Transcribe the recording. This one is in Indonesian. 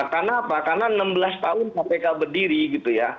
karena apa karena enam belas tahun kpk berdiri gitu ya